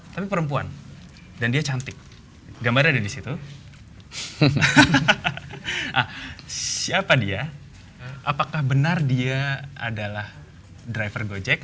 tapi perempuan dan dia cantik gambarnya ada di situ siapa dia apakah benar dia adalah driver gojek